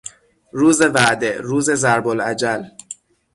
روز وعده، روز ضرب الاجل